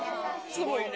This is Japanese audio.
すごいね。